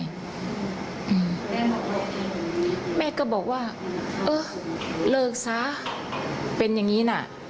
แม่บอกเองแม่ก็บอกว่าเออเลิกซะเป็นอย่างนี้น่ะ